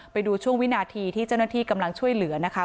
ไปดูช่วงวินาทีที่เจ้าหน้าที่กำลังช่วยเหลือนะคะ